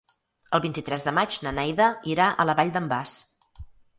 El vint-i-tres de maig na Neida irà a la Vall d'en Bas.